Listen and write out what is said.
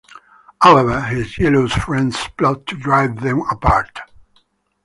However his jealous friends plot to drive them apart.